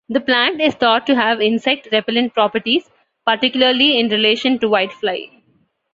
The plant is thought to have insect repellent properties, particularly in relation to whitefly.